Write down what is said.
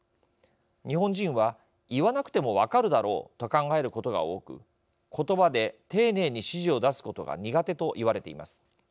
日本人は言わなくても分かるだろうと考えることが多く言葉で丁寧に指示を出すことが苦手と言われています。